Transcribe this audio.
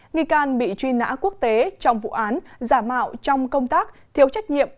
nghi can bị truy nã quốc tế trong vụ án giả mạo trong công tác thiếu trách nhiệm